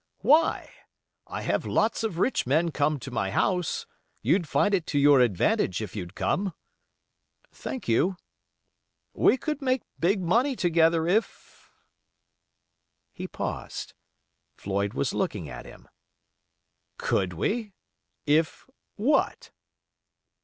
"Why? I have lots of rich men come to my house. You'd find it to your advantage if you'd come." "Thank you." "We could make big money together if——" He paused. Floyd was looking at him. "Could we? If—what?"